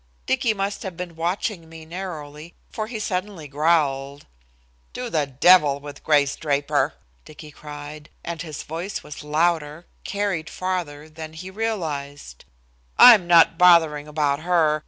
Dicky must have been watching me narrowly, for he suddenly growled: "To the devil with Grace Draper!" Dicky cried, and his voice was louder, carried farther than he realized. "I'm not bothering about her.